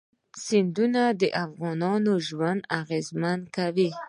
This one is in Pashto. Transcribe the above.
سیندونه د افغانانو ژوند اغېزمن کوي.